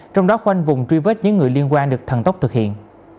trong đó khoanh vùng truy vết những người liên quan được thần tốc thực hiện